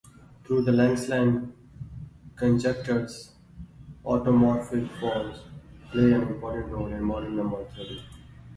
Through the Langlands conjectures automorphic forms play an important role in modern number theory.